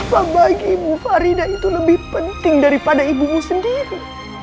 apa bagimu farida itu lebih penting daripada ibumu sendiri